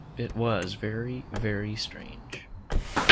It was all very, very strange.